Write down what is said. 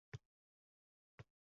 Ming yil shon o’kisak